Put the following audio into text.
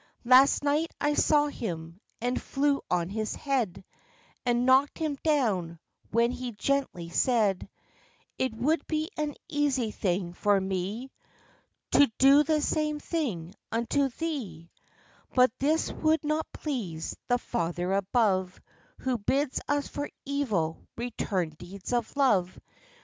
Last night I saw him, and flew on his head, And knocked him down, when he gently said, 'It would be an easy thing for me To do the same thing unto thee ; But this would not please the Father above, Who bids us for evil return deeds of love.